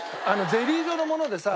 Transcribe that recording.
ゼリー状のものでさ。